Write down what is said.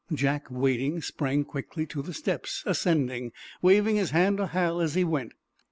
Jack, waiting, sprang quickly to the steps, ascending, waving his hand to Hal as he went.